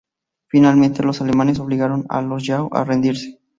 Finalmente los alemanes obligaron a los yao a rendirse.